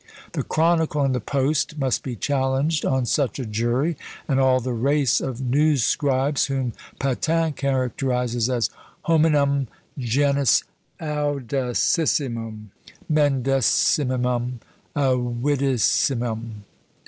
The "Chronicle" and the "Post" must be challenged on such a jury, and all the race of news scribes, whom Patin characterises as hominum genus audacissimum mendacissimum avidissimum.